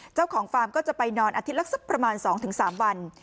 ฟาร์มก็จะไปนอนอาทิตย์ละสักประมาณ๒๓วัน